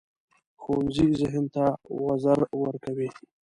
ښوونځی ذهن ته وزر ورکوي